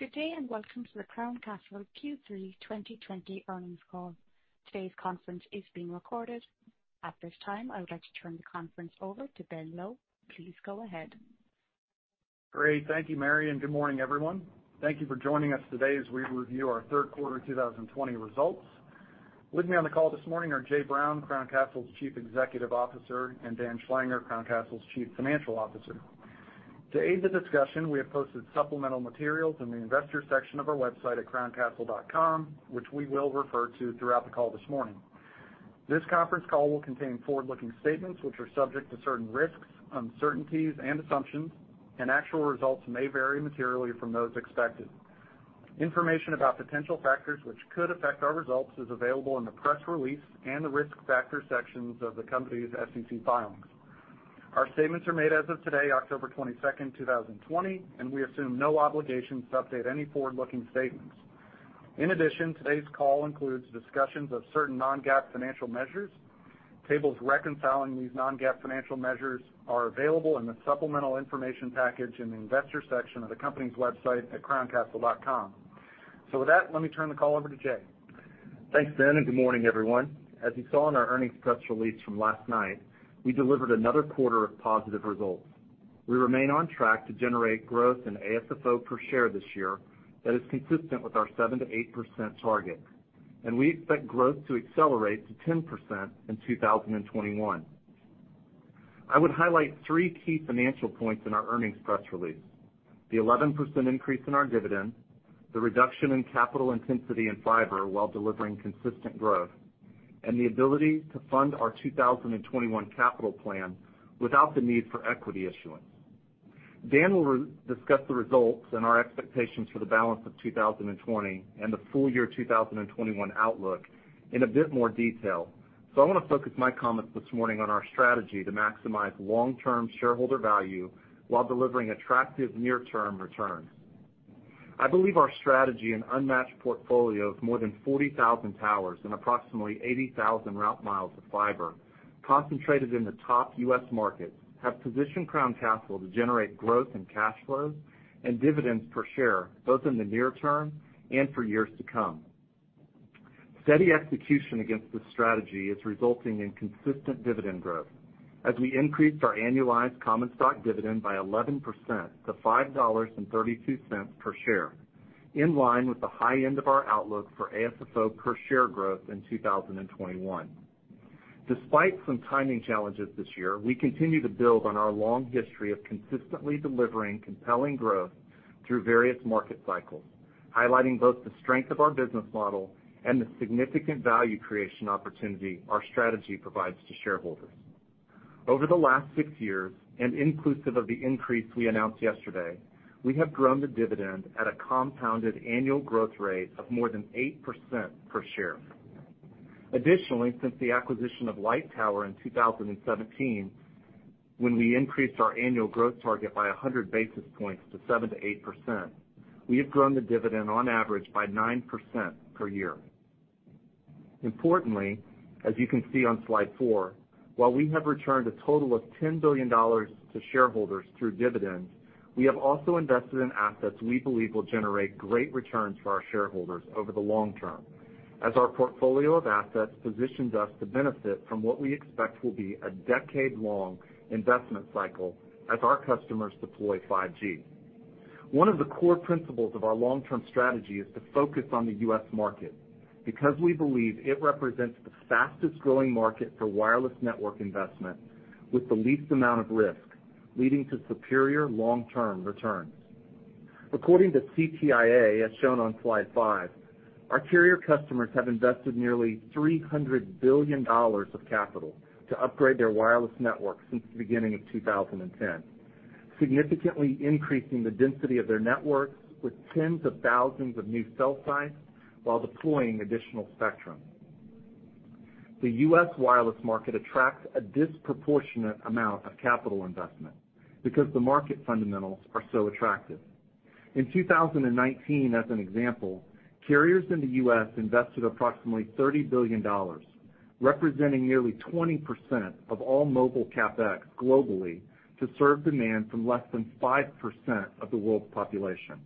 Good day. Welcome to the Crown Castle Q3 2020 earnings call. Today's conference is being recorded. At this time, I would like to turn the conference over to Ben Lowe. Please go ahead Great. Thank you, Mary, and good morning, everyone. Thank you for joining us today as we review our third quarter 2020 results. With me on the call this morning are Jay Brown, Crown Castle's Chief Executive Officer, and Dan Schlanger, Crown Castle's Chief Financial Officer. To aid the discussion, we have posted supplemental materials in the Investors section of our website at crowncastle.com, which we will refer to throughout the call this morning. This conference call will contain forward-looking statements, which are subject to certain risks, uncertainties, and assumptions, and actual results may vary materially from those expected. Information about potential factors which could affect our results is available in the press release and the risk factor sections of the company's SEC filings. Our statements are made as of today, October 22nd, 2020, and we assume no obligation to update any forward-looking statements. In addition, today's call includes discussions of certain non-GAAP financial measures. Tables reconciling these non-GAAP financial measures are available in the supplemental information package in the Investors section of the company's website at crowncastle.com. With that, let me turn the call over to Jay. Thanks, Ben. Good morning, everyone. As you saw in our earnings press release from last night, we delivered another quarter of positive results. We remain on track to generate growth in AFFO per share this year that is consistent with our 7% to 8% target, and we expect growth to accelerate to 10% in 2021. I would highlight three key financial points in our earnings press release. The 11% increase in our dividend, the reduction in capital intensity in fiber while delivering consistent growth, and the ability to fund our 2021 capital plan without the need for equity issuance. Dan will discuss the results and our expectations for the balance of 2020 and the full year 2021 outlook in a bit more detail. I want to focus my comments this morning on our strategy to maximize long-term shareholder value while delivering attractive near-term returns. I believe our strategy and unmatched portfolio of more than 40,000 towers and approximately 80,000 route miles of fiber concentrated in the top U.S. markets, have positioned Crown Castle to generate growth in cash flows and dividends per share, both in the near term and for years to come. Steady execution against this strategy is resulting in consistent dividend growth as we increased our annualized common stock dividend by 11% to $5.32 per share, in line with the high end of our outlook for AFFO per share growth in 2021. Despite some timing challenges this year, we continue to build on our long history of consistently delivering compelling growth through various market cycles, highlighting both the strength of our business model and the significant value creation opportunity our strategy provides to shareholders. Over the last six years, inclusive of the increase we announced yesterday, we have grown the dividend at a compounded annual growth rate of more than 8% per share. Additionally, since the acquisition of Lightower in 2017, when we increased our annual growth target by 100 basis points to 7%-8%, we have grown the dividend on average by 9% per year. Importantly, as you can see on slide four, while we have returned a total of $10 billion to shareholders through dividends, we have also invested in assets we believe will generate great returns for our shareholders over the long term as our portfolio of assets positions us to benefit from what we expect will be a decade-long investment cycle as our customers deploy 5G. One of the core principles of our long-term strategy is to focus on the U.S. market because we believe it represents the fastest-growing market for wireless network investment with the least amount of risk, leading to superior long-term returns. According to CTIA, as shown on slide five, our carrier customers have invested nearly $300 billion of capital to upgrade their wireless network since the beginning of 2010, significantly increasing the density of their networks with tens of thousands of new cell sites while deploying additional spectrum. The U.S. wireless market attracts a disproportionate amount of capital investment because the market fundamentals are so attractive. In 2019, as an example, carriers in the U.S. invested approximately $30 billion, representing nearly 20% of all mobile CapEx globally to serve demand from less than 5% of the world's population.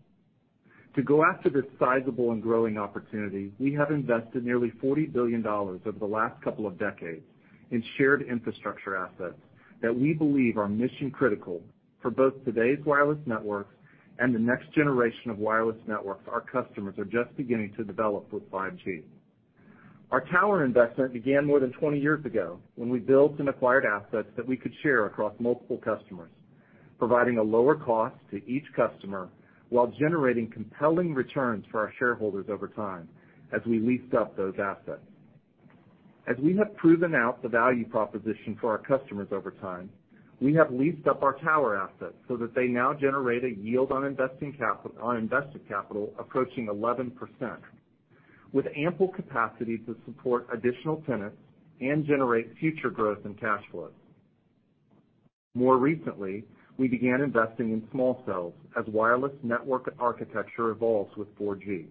To go after this sizable and growing opportunity, we have invested nearly $40 billion over the last couple of decades in shared infrastructure assets that we believe are mission-critical for both today's wireless networks and the next generation of wireless networks our customers are just beginning to develop with 5G. Our tower investment began more than 20 years ago when we built and acquired assets that we could share across multiple customers, providing a lower cost to each customer while generating compelling returns for our shareholders over time as we leased up those assets. As we have proven out the value proposition for our customers over time, we have leased up our tower assets so that they now generate a yield on invested capital approaching 11%, with ample capacity to support additional tenants and generate future growth and cash flow. More recently, we began investing in small cells as wireless network architecture evolves with 4G,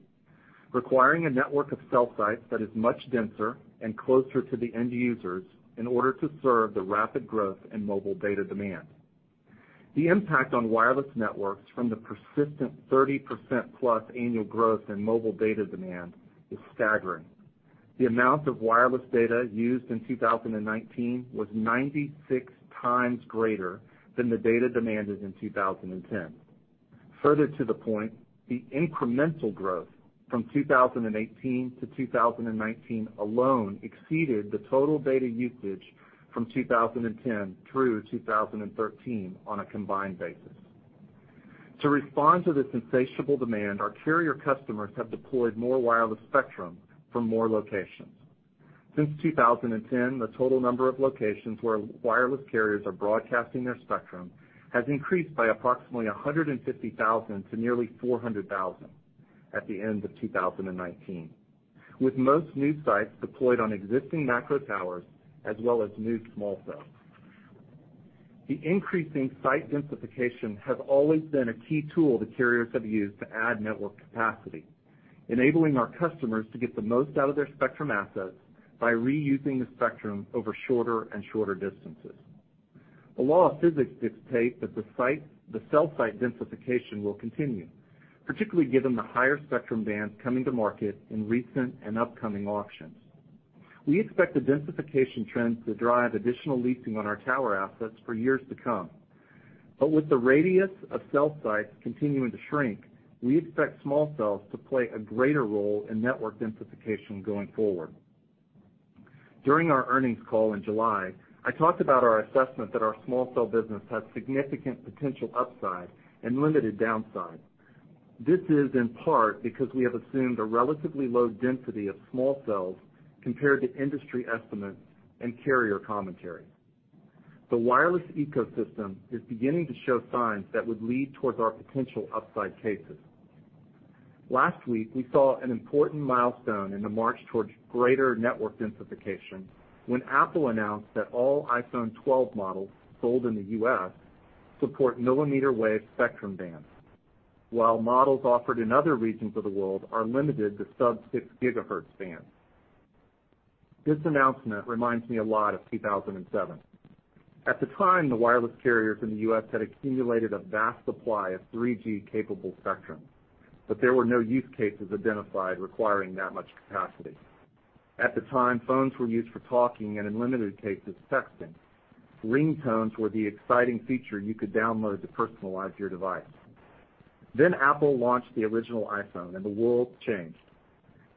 requiring a network of cell sites that is much denser and closer to the end users in order to serve the rapid growth in mobile data demand. The impact on wireless networks from the persistent 30%+ annual growth in mobile data demand is staggering. The amount of wireless data used in 2019 was 96x greater than the data demanded in 2010. Further to the point, the incremental growth from 2018 to 2019 alone exceeded the total data usage from 2010 through 2013 on a combined basis. To respond to this insatiable demand, our carrier customers have deployed more wireless spectrum for more locations. Since 2010, the total number of locations where wireless carriers are broadcasting their spectrum has increased by approximately 150,000 to nearly 400,000 at the end of 2019, with most new sites deployed on existing macro towers, as well as new small cells. The increasing site densification has always been a key tool that carriers have used to add network capacity, enabling our customers to get the most out of their spectrum assets by reusing the spectrum over shorter and shorter distances. The law of physics dictates that the cell site densification will continue, particularly given the higher spectrum bands coming to market in recent and upcoming auctions. We expect the densification trend to drive additional leasing on our tower assets for years to come. With the radius of cell sites continuing to shrink, we expect small cells to play a greater role in network densification going forward. During our earnings call in July, I talked about our assessment that our small cell business has significant potential upside and limited downside. This is in part because we have assumed a relatively low density of small cells compared to industry estimates and carrier commentary. The wireless ecosystem is beginning to show signs that would lead towards our potential upside cases. Last week, we saw an important milestone in the march towards greater network densification when Apple announced that all iPhone 12 models sold in the U.S. support millimeter wave spectrum bands, while models offered in other regions of the world are limited to sub-6 GHz bands. This announcement reminds me a lot of 2007. At the time, the wireless carriers in the U.S. had accumulated a vast supply of 3G-capable spectrum, but there were no use cases identified requiring that much capacity. At the time, phones were used for talking and in limited cases, texting. Ringtones were the exciting feature you could download to personalize your device. Apple launched the original iPhone, and the world changed.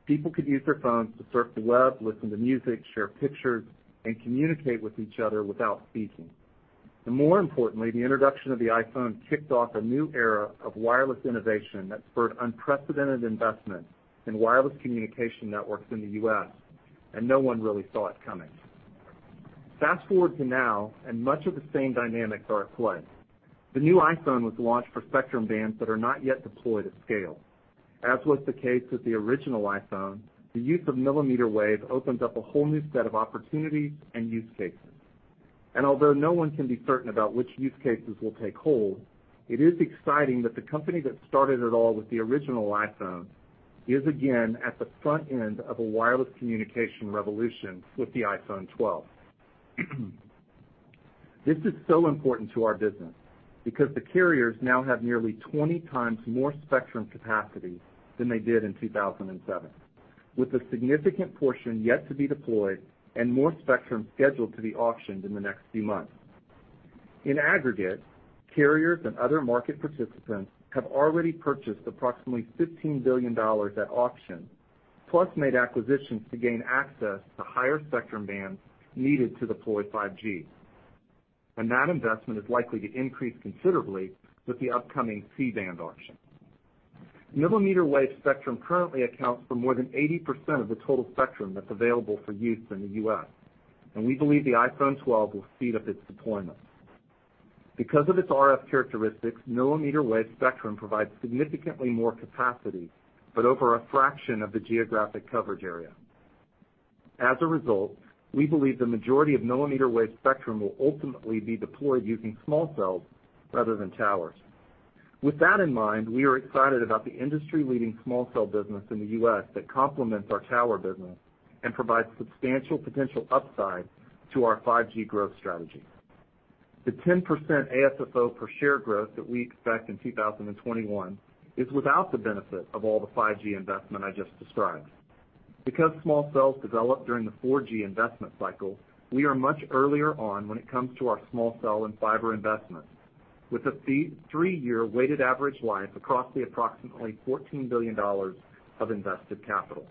People could use their phones to surf the web, listen to music, share pictures, and communicate with each other without speaking. More importantly, the introduction of the iPhone kicked off a new era of wireless innovation that spurred unprecedented investment in wireless communication networks in the U.S., and no one really saw it coming. Fast-forward to now, and much of the same dynamics are at play. The new iPhone was launched for spectrum bands that are not yet deployed at scale. As was the case with the original iPhone, the use of millimeter wave opens up a whole new set of opportunities and use cases. Although no one can be certain about which use cases will take hold, it is exciting that the company that started it all with the original iPhone is again at the front end of a wireless communication revolution with the iPhone 12. This is so important to our business because the carriers now have nearly 20x more spectrum capacity than they did in 2007, with a significant portion yet to be deployed and more spectrum scheduled to be auctioned in the next few months. In aggregate, carriers and other market participants have already purchased approximately $15 billion at auction, plus made acquisitions to gain access to higher spectrum bands needed to deploy 5G. That investment is likely to increase considerably with the upcoming C-band auction. millimeter wave spectrum currently accounts for more than 80% of the total spectrum that's available for use in the U.S. We believe the iPhone 12 will speed up its deployment. Because of its RF characteristics, millimeter wave spectrum provides significantly more capacity, over a fraction of the geographic coverage area. As a result, we believe the majority of millimeter wave spectrum will ultimately be deployed using small cells rather than towers. With that in mind, we are excited about the industry-leading small cell business in the U.S. that complements our tower business and provides substantial potential upside to our 5G growth strategy. The 10% AFFO per share growth that we expect in 2021 is without the benefit of all the 5G investment I just described. Because small cells developed during the 4G investment cycle, we are much earlier on when it comes to our small cell and fiber investments, with a three-year weighted average life across the approximately $14 billion of invested capital.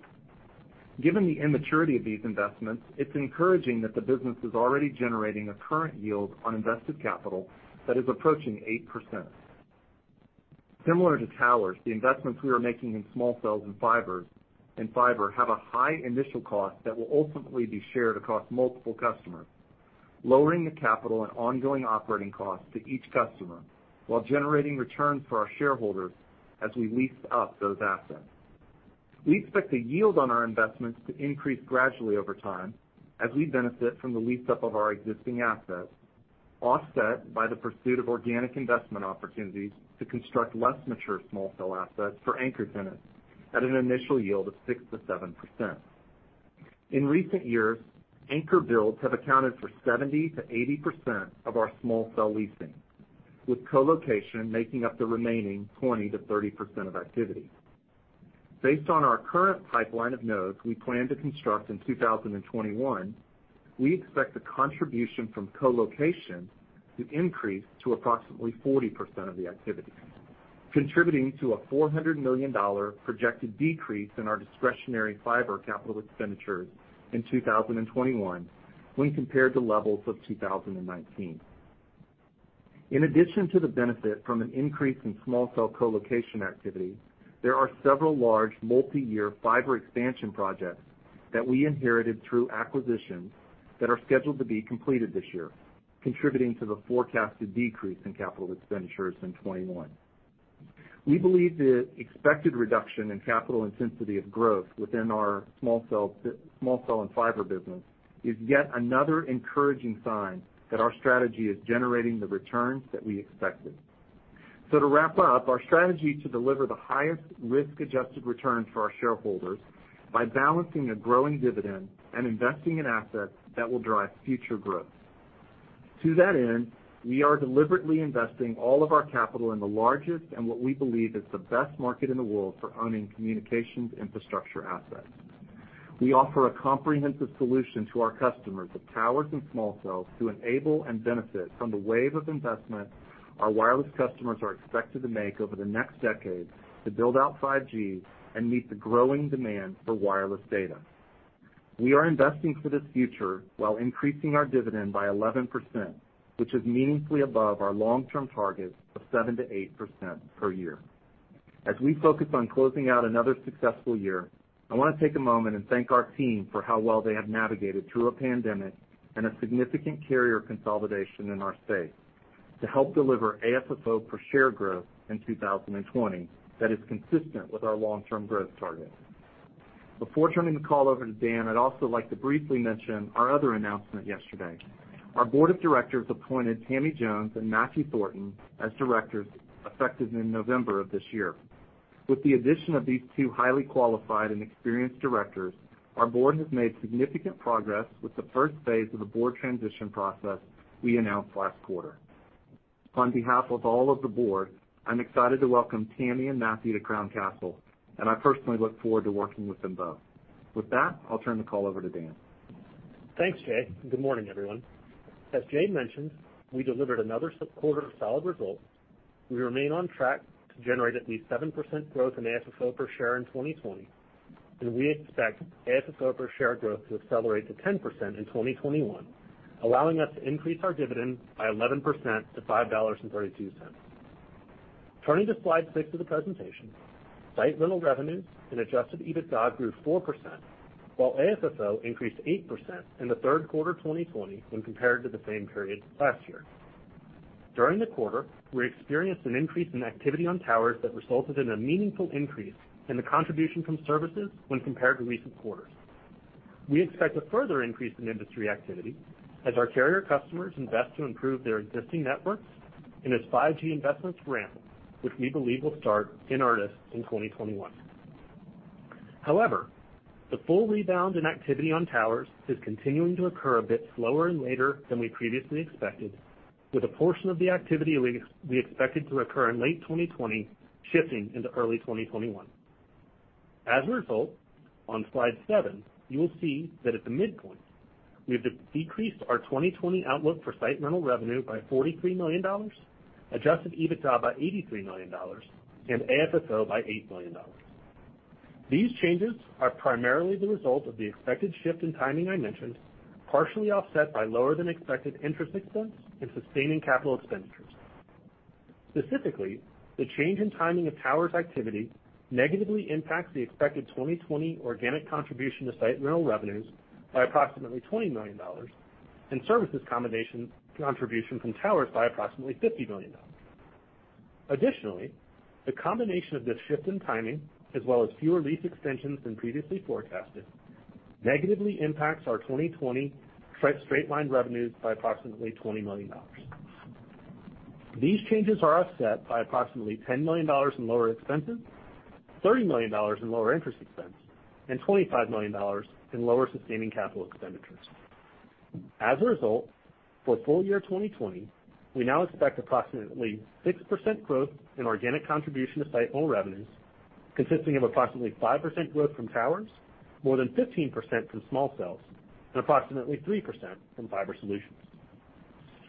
Given the immaturity of these investments, it's encouraging that the business is already generating a current yield on invested capital that is approaching 8%. Similar to towers, the investments we are making in small cells and fiber have a high initial cost that will ultimately be shared across multiple customers, lowering the capital and ongoing operating costs to each customer while generating returns for our shareholders as we lease up those assets. We expect the yield on our investments to increase gradually over time as we benefit from the lease-up of our existing assets. Offset by the pursuit of organic investment opportunities to construct less mature small cell assets for anchor tenants at an initial yield of 6%-7%. In recent years, anchor builds have accounted for 70%-80% of our small cell leasing, with co-location making up the remaining 20%-30% of activity. Based on our current pipeline of nodes we plan to construct in 2021, we expect the contribution from co-location to increase to approximately 40% of the activity, contributing to a $400 million projected decrease in our discretionary fiber capital expenditures in 2021 when compared to levels of 2019. In addition to the benefit from an increase in small cell co-location activity, there are several large multi-year fiber expansion projects that we inherited through acquisition that are scheduled to be completed this year, contributing to the forecasted decrease in capital expenditures in 2021. We believe the expected reduction in capital intensity of growth within our small cell and fiber business is yet another encouraging sign that our strategy is generating the returns that we expected. To wrap up, our strategy to deliver the highest risk-adjusted return for our shareholders by balancing a growing dividend and investing in assets that will drive future growth. To that end, we are deliberately investing all of our capital in the largest and what we believe is the best market in the world for owning communications infrastructure assets. We offer a comprehensive solution to our customers of towers and small cells to enable and benefit from the wave of investment our wireless customers are expected to make over the next decade to build out 5G and meet the growing demand for wireless data. We are investing for this future while increasing our dividend by 11%, which is meaningfully above our long-term target of 7%-8% per year. As we focus on closing out another successful year, I want to take a moment and thank our team for how well they have navigated through a pandemic and a significant carrier consolidation in our space to help deliver AFFO per share growth in 2020 that is consistent with our long-term growth targets. Before turning the call over to Dan, I'd also like to briefly mention our other announcement yesterday. Our board of directors appointed Tammy Jones and Matthew Thornton as directors effective in November of this year. With the addition of these two highly qualified and experienced directors, our board has made significant progress with the first phase of the board transition process we announced last quarter. On behalf of all of the board, I'm excited to welcome Tammy and Matthew to Crown Castle, and I personally look forward to working with them both. With that, I'll turn the call over to Dan. Thanks, Jay. Good morning, everyone. As Jay mentioned, we delivered another quarter of solid results. We remain on track to generate at least 7% growth in AFFO per share in 2020, and we expect AFFO per share growth to accelerate to 10% in 2021, allowing us to increase our dividend by 11% to $5.32. Turning to slide six of the presentation, site rental revenues and adjusted EBITDA grew 4%, while AFFO increased 8% in the third quarter 2020 when compared to the same period last year. During the quarter, we experienced an increase in activity on towers that resulted in a meaningful increase in the contribution from services when compared to recent quarters. We expect a further increase in industry activity as our carrier customers invest to improve their existing networks and as 5G investments ramp, which we believe will start in earnest in 2021. However, the full rebound in activity on towers is continuing to occur a bit slower and later than we previously expected, with a portion of the activity we expected to occur in late 2020 shifting into early 2021. As a result, on slide seven, you will see that at the midpoint, we have decreased our 2020 outlook for site rental revenue by $43 million, adjusted EBITDA by $83 million, and AFFO by $8 million. These changes are primarily the result of the expected shift in timing I mentioned, partially offset by lower than expected interest expense and sustaining capital expenditures. Specifically, the change in timing of towers activity negatively impacts the expected 2020 organic contribution to site rental revenues by approximately $20 million and services contribution from towers by approximately $50 million. Additionally, the combination of this shift in timing, as well as fewer lease extensions than previously forecasted, negatively impacts our 2020 straight-line revenues by approximately $20 million. These changes are offset by approximately $10 million in lower expenses, $30 million in lower interest expense, and $25 million in lower sustaining capital expenditures. As a result, for full year 2020, we now expect approximately 6% growth in organic contribution to site rental revenues, consisting of approximately 5% growth from towers, more than 15% from small cells, and approximately 3% from fiber solutions.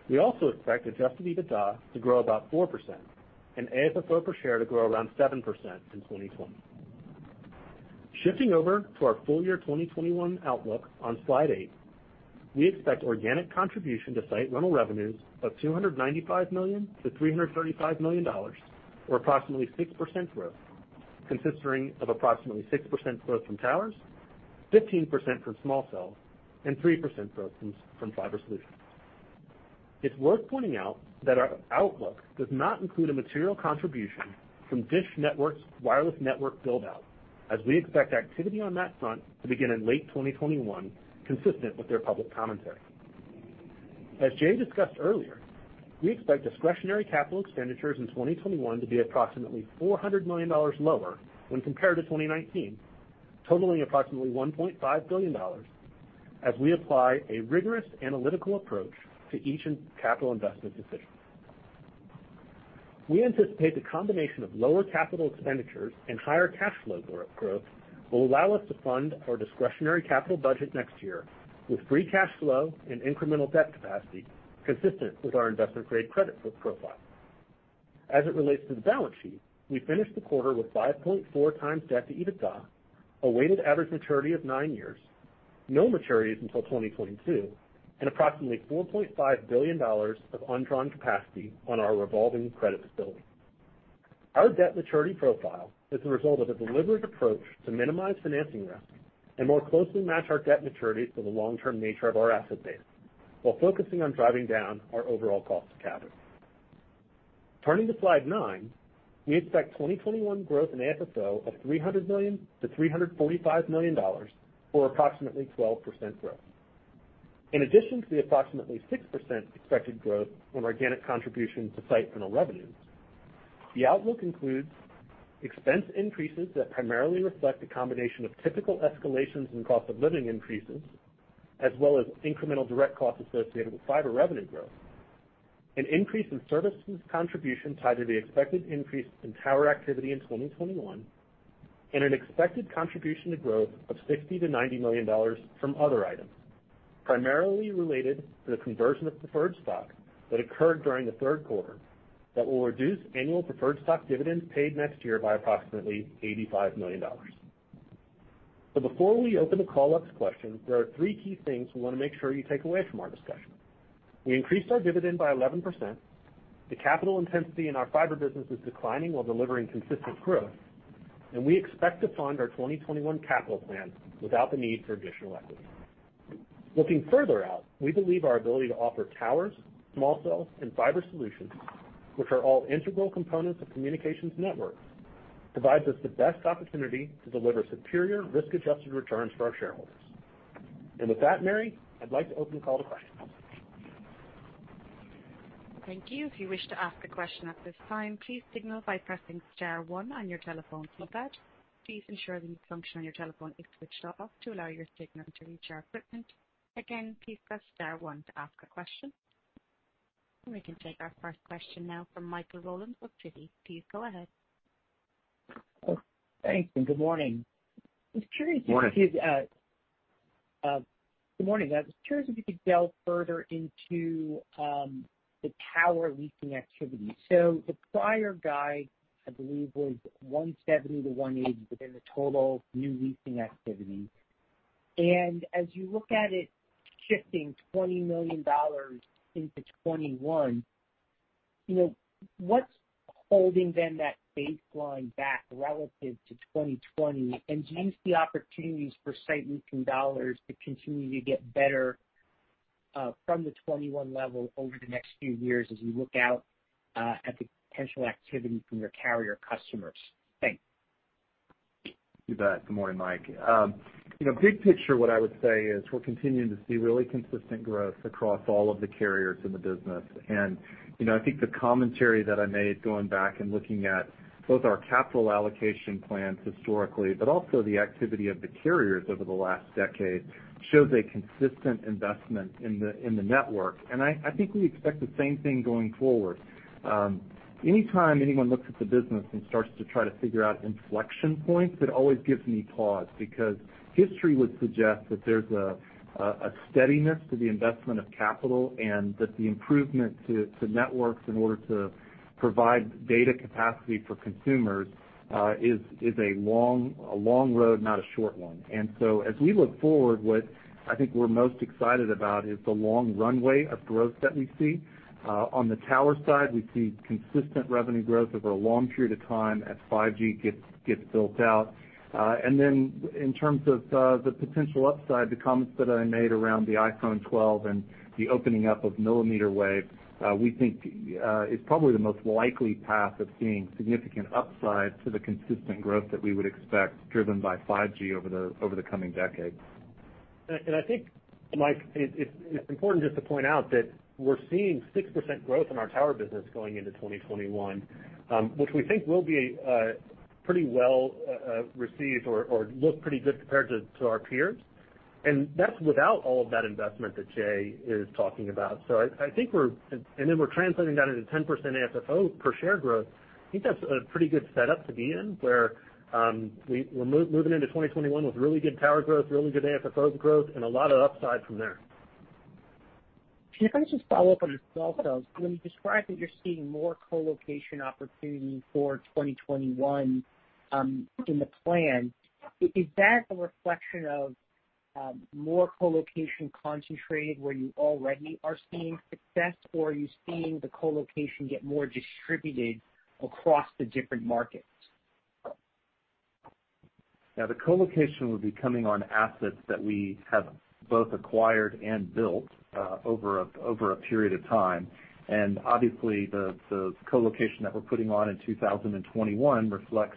We also expect adjusted EBITDA to grow about 4% and AFFO per share to grow around 7% in 2020. Shifting over to our full year 2021 outlook on slide eight, we expect organic contribution to site rental revenues of $295 million-$335 million, or approximately 6% growth, consisting of approximately 6% growth from towers, 15% from small cells, and 3% growth from fiber solutions. It's worth pointing out that our outlook does not include a material contribution from DISH Network's wireless network build-out. As we expect activity on that front to begin in late 2021, consistent with their public commentary. As Jay discussed earlier, we expect discretionary capital expenditures in 2021 to be approximately $400 million lower when compared to 2019, totaling approximately $1.5 billion, as we apply a rigorous analytical approach to each capital investment decision. We anticipate the combination of lower capital expenditures and higher cash flow growth will allow us to fund our discretionary capital budget next year with free cash flow and incremental debt capacity consistent with our investment-grade credit profile. As it relates to the balance sheet, we finished the quarter with 5.4x debt to EBITDA, a weighted average maturity of nine years, no maturities until 2022, and approximately $4.5 billion of undrawn capacity on our revolving credit facility. Our debt maturity profile is the result of a deliberate approach to minimize financing risk and more closely match our debt maturities to the long-term nature of our asset base while focusing on driving down our overall cost of capital. Turning to slide nine, we expect 2021 growth in AFFO of $300 million to $345 million, or approximately 12% growth. In addition to the approximately 6% expected growth from organic contribution to site rental revenue, the outlook includes expense increases that primarily reflect a combination of typical escalations in cost of living increases, as well as incremental direct costs associated with fiber revenue growth, an increase in services contribution tied to the expected increase in tower activity in 2021, and an expected contribution to growth of $60 million-$90 million from other items, primarily related to the conversion of preferred stock that occurred during the third quarter that will reduce annual preferred stock dividends paid next year by approximately $85 million. Before we open the call up to questions, there are three key things we want to make sure you take away from our discussion. We increased our dividend by 11%, the capital intensity in our fiber business is declining while delivering consistent growth, and we expect to fund our 2021 capital plan without the need for additional equity. Looking further out, we believe our ability to offer towers, small cells, and fiber solutions, which are all integral components of communications networks, provides us the best opportunity to deliver superior risk-adjusted returns for our shareholders. With that, Mary, I'd like to open the call to questions. Thank you. We can take our first question now from Michael Rollins of Citi. Please go ahead. Thanks, and good morning. Morning. Good morning. I was curious if you could delve further into the tower leasing activity. The prior guide, I believe, was $170 million-$180 million within the total new leasing activity. As you look at it shifting $20 million into 2021, what's holding then that baseline back relative to 2020? Do you see opportunities for site leasing dollars to continue to get better from the 2021 level over the next few years as you look out at the potential activity from your carrier customers? Thanks. You bet. Good morning, Mike. Big picture, what I would say is we're continuing to see really consistent growth across all of the carriers in the business. I think the commentary that I made going back and looking at both our capital allocation plans historically, but also the activity of the carriers over the last decade, shows a consistent investment in the network. I think we expect the same thing going forward. Anytime anyone looks at the business and starts to try to figure out inflection points, it always gives me pause because history would suggest that there's a steadiness to the investment of capital and that the improvement to networks in order to provide data capacity for consumers is a long road, not a short one. As we look forward, what I think we're most excited about is the long runway of growth that we see. On the tower side, we see consistent revenue growth over a long period of time as 5G gets built out. Then in terms of the potential upside, the comments that I made around the iPhone 12 and the opening up of millimeter wave, we think is probably the most likely path of seeing significant upside to the consistent growth that we would expect driven by 5G over the coming decade. I think, Mike, it's important just to point out that we're seeing 6% growth in our tower business going into 2021, which we think will be pretty well received or look pretty good compared to our peers. That's without all of that investment that Jay is talking about. We're translating that into 10% AFFO per share growth. I think that's a pretty good setup to be in, where we're moving into 2021 with really good tower growth, really good AFFO growth, and a lot of upside from there. Can I just follow up on the small cells? When you describe that you're seeing more colocation opportunity for 2021 in the plan, is that a reflection of more colocation concentrated where you already are seeing success, or are you seeing the colocation get more distributed across the different markets? Yeah, the colocation will be coming on assets that we have both acquired and built over a period of time. Obviously, the colocation that we're putting on in 2021 reflects.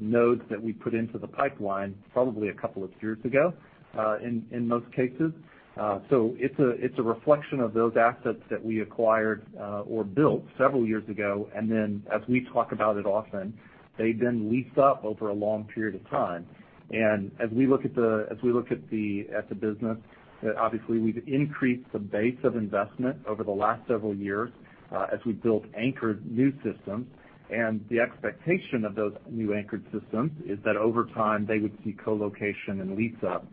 Nodes that we put into the pipeline probably a couple of years ago, in most cases. It's a reflection of those assets that we acquired or built several years ago, and then as we talk about it often, they then leased up over a long period of time. As we look at the business, obviously we've increased the base of investment over the last several years as we built anchored new systems, and the expectation of those new anchored systems is that over time they would see co-location and lease-up.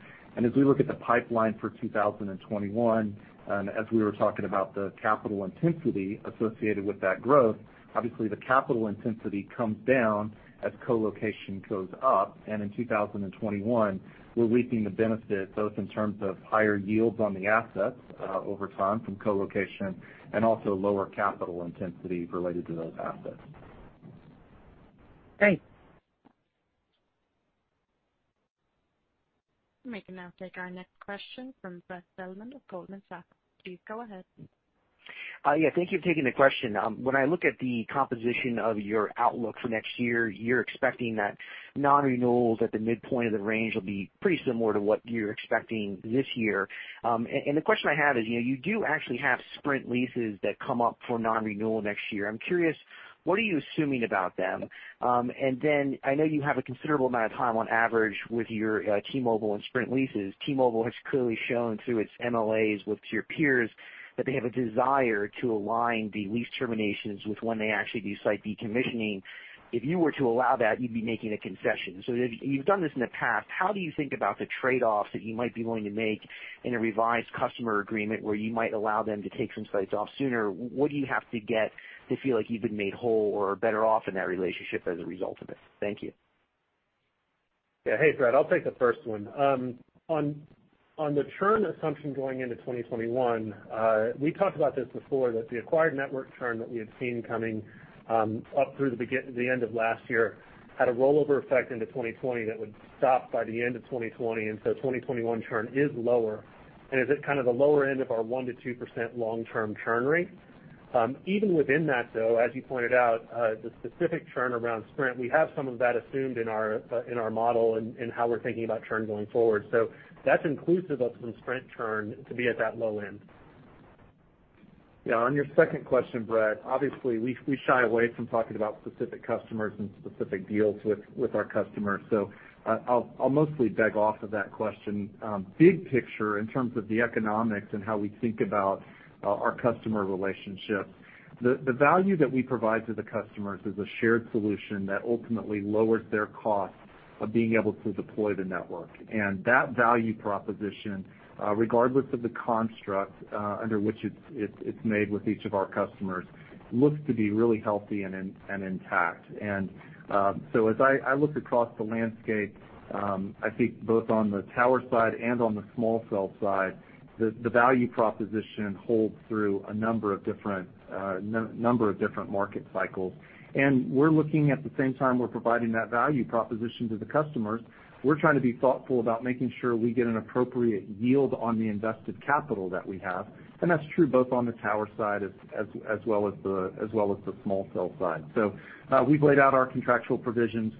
As we look at the pipeline for 2021, and as we were talking about the capital intensity associated with that growth, obviously the capital intensity comes down as co-location goes up. In 2021, we're reaping the benefit both in terms of higher yields on the assets over time from colocation and also lower capital intensity related to those assets. Thanks. We can now take our next question from Brett Feldman of Goldman Sachs. Please go ahead. Thank you for taking the question. When I look at the composition of your outlook for next year, you're expecting that non-renewals at the midpoint of the range will be pretty similar to what you're expecting this year. The question I have is, you do actually have Sprint leases that come up for non-renewal next year. I'm curious, what are you assuming about them? I know you have a considerable amount of time on average with your T-Mobile and Sprint leases. T-Mobile has clearly shown through its MLAs with your peers that they have a desire to align the lease terminations with when they actually do site decommissioning. If you were to allow that, you'd be making a concession. You've done this in the past. How do you think about the trade-offs that you might be willing to make in a revised customer agreement where you might allow them to take some sites off sooner? What do you have to get to feel like you've been made whole or better off in that relationship as a result of it? Thank you. Hey, Brett. I'll take the first one. On the churn assumption going into 2021, we talked about this before, that the acquired network churn that we had seen coming up through the end of last year had a rollover effect into 2020 that would stop by the end of 2020. 2021 churn is lower, and is at kind of the lower end of our 1%-2% long-term churn rate. Even within that, though, as you pointed out, the specific churn around Sprint, we have some of that assumed in our model in how we're thinking about churn going forward. That's inclusive of some Sprint churn to be at that low end. On your second question, Brett, obviously, we shy away from talking about specific customers and specific deals with our customers. I'll mostly beg off of that question. Big picture, in terms of the economics and how we think about our customer relationships, the value that we provide to the customers is a shared solution that ultimately lowers their cost of being able to deploy the network. That value proposition, regardless of the construct under which it's made with each of our customers, looks to be really healthy and intact. As I look across the landscape, I think both on the tower side and on the small cell side, the value proposition holds through a number of different market cycles. We're looking at the same time we're providing that value proposition to the customers, we're trying to be thoughtful about making sure we get an appropriate yield on the invested capital that we have, and that's true both on the tower side as well as the small cell side. We've laid out our contractual provisions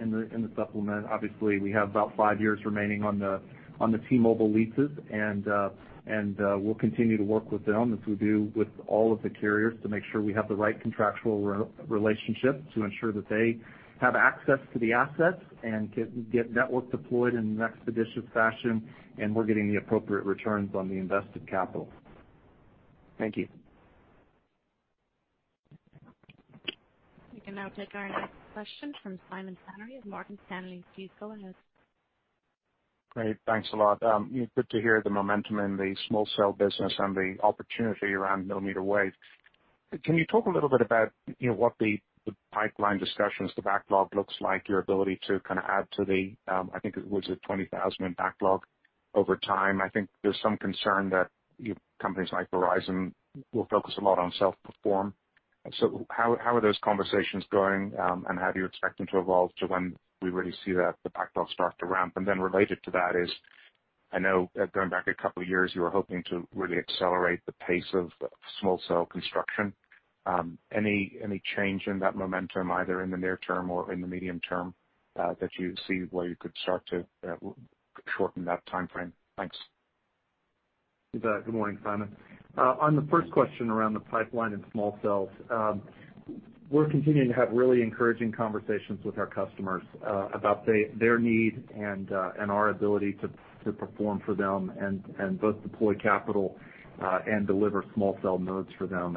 in the supplement. Obviously, we have about five years remaining on the T-Mobile leases, and we'll continue to work with them as we do with all of the carriers to make sure we have the right contractual relationship to ensure that they have access to the assets and can get network deployed in an expeditious fashion, and we're getting the appropriate returns on the invested capital. Thank you. We can now take our next question from Simon Flannery of Morgan Stanley. Please go ahead. Great. Thanks a lot. Good to hear the momentum in the small cell business and the opportunity around millimeter wave. Can you talk a little bit about what the pipeline discussions, the backlog looks like, your ability to kind of add to the, I think, was it 20,000 in backlog over time? I think there's some concern that companies like Verizon will focus a lot on self-perform. How are those conversations going, and how do you expect them to evolve to when we really see the backlog start to ramp? Then related to that is, I know going back a couple of years, you were hoping to really accelerate the pace of small cell construction. Any change in that momentum, either in the near term or in the medium term, that you see where you could start to shorten that timeframe? Thanks. Good morning, Simon. On the first question around the pipeline and small cells, we're continuing to have really encouraging conversations with our customers about their need and our ability to perform for them and both deploy capital and deliver small cell nodes for them.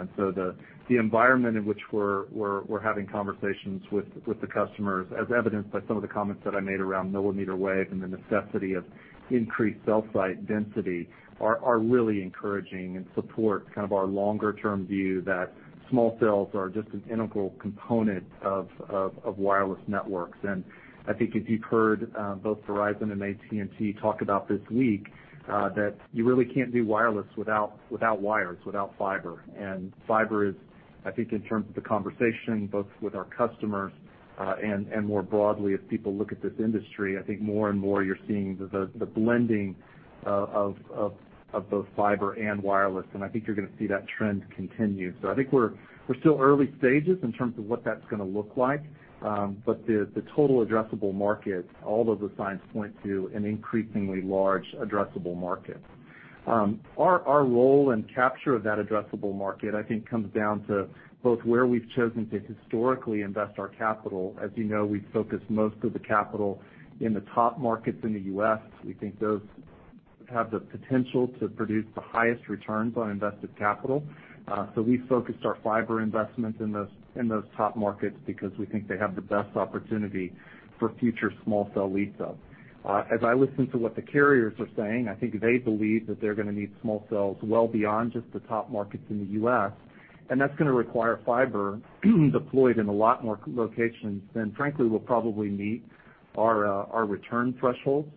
The environment in which we're having conversations with the customers, as evidenced by some of the comments that I made around millimeter wave and the necessity of increased cell site density, are really encouraging and support kind of our longer-term view that small cells are just an integral component of wireless networks. I think as you've heard both Verizon and AT&T talk about this week, that you really can't do wireless without wires, without fiber. Fiber is, I think, in terms of the conversation, both with our customers and more broadly as people look at this industry, I think more and more you're seeing the blending of both fiber and wireless, and I think you're going to see that trend continue. I think we're still early stages in terms of what that's going to look like. The total addressable market, all of the signs point to an increasingly large addressable market. Our role and capture of that addressable market, I think comes down to both where we've chosen to historically invest our capital. As you know, we've focused most of the capital in the top markets in the U.S. We think those have the potential to produce the highest returns on invested capital. We focused our fiber investments in those top markets because we think they have the best opportunity for future small cell lease-up. As I listen to what the carriers are saying, I think they believe that they're going to need small cells well beyond just the top markets in the U.S., and that's going to require fiber deployed in a lot more locations than frankly will probably meet our return thresholds.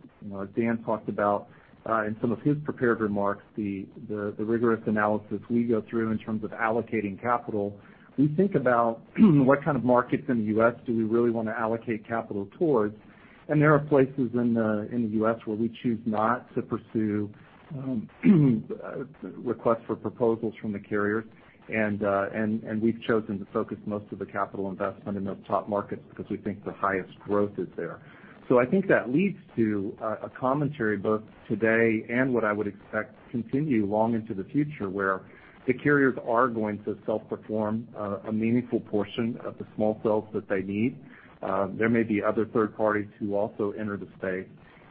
Dan talked about, in some of his prepared remarks, the rigorous analysis we go through in terms of allocating capital. We think about what kind of markets in the U.S. do we really want to allocate capital towards, and there are places in the U.S. where we choose not to pursue requests for proposals from the carriers. We've chosen to focus most of the capital investment in those top markets because we think the highest growth is there. I think that leads to a commentary both today and what I would expect to continue long into the future, where the carriers are going to self-perform a meaningful portion of the small cells that they need. There may be other third parties who also enter the space,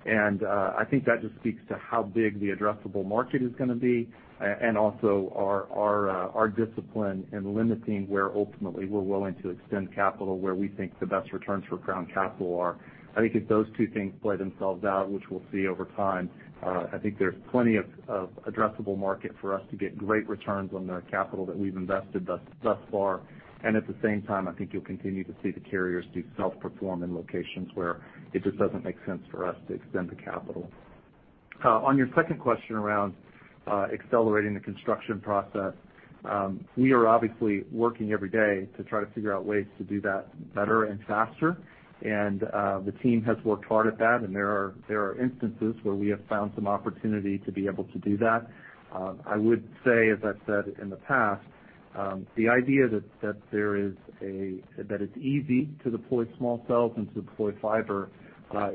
and I think that just speaks to how big the addressable market is going to be and also our discipline in limiting where ultimately we're willing to extend capital, where we think the best returns for Crown Castle are. I think if those two things play themselves out, which we'll see over time, I think there's plenty of addressable market for us to get great returns on the capital that we've invested thus far. At the same time, I think you'll continue to see the carriers do self-perform in locations where it just doesn't make sense for us to extend the capital. On your second question around accelerating the construction process, we are obviously working every day to try to figure out ways to do that better and faster. The team has worked hard at that, and there are instances where we have found some opportunity to be able to do that. I would say, as I've said in the past, the idea that it's easy to deploy small cells and to deploy fiber